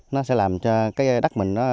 nó sẽ làm cho cái đất mình